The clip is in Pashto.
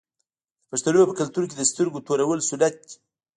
د پښتنو په کلتور کې د سترګو تورول سنت دي.